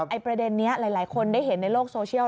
ประเด็นนี้หลายคนได้เห็นในโลกโซเชียล